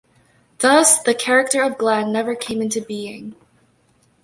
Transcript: Thus, the character of Glen never came into being.